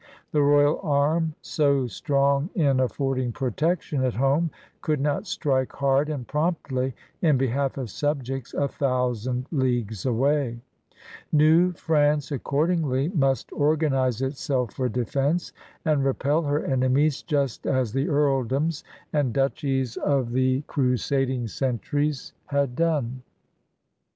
The royal arm, so strong in affording protection at home, could not strike hard and promptly in behalf of subjects a thou sand leagues away. New France, accordingly must organize itself for defense and repel her enemies just as the earldoms and duchies of the M^MMMMMMMMiM^MiMaMMiMtf^MM SEIGNEURS OF OLD CANADA 187 crusading centuries had done.